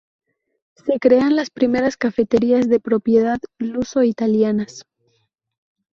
Se crean las primeras cafeterías, de propiedad luso-italianas.